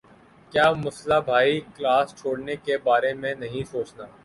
کیا مسلہ بھائی؟ کلاس چھوڑنے کے بارے میں نہیں سوچنا۔